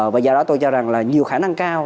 và do đó tôi cho rằng là nhiều khả năng cao